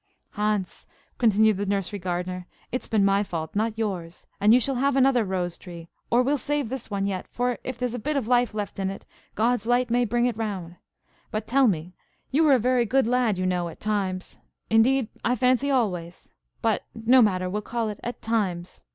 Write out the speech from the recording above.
"Hans," continued the nursery gardener, "it's been my fault, not yours; and you shall have another rose tree, or we'll save this one yet, for if there's a bit of life left in it, God's light may bring it round. But tell me, now. You are a very good lad, you know, at times–indeed, I fancy always; but no matter, we'll call it at times.